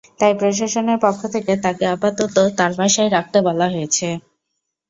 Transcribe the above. তাই প্রশাসনের পক্ষ থেকে তাকে আপাতত তাঁর বাসায় রাখতে বলা হয়েছে।